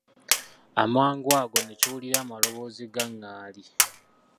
Amangu ago ne kiwulira amaloboozi ga ngaali.